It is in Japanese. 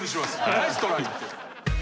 「ナイストライ」って。